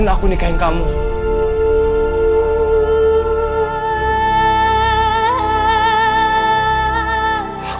gue mau makan di gunah